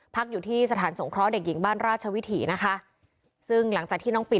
พักอยู่ที่สถานสงเคราะห์เด็กหญิงบ้านราชวิถีนะคะซึ่งหลังจากที่น้องปี